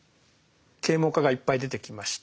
啓蒙家がいっぱい出てきました。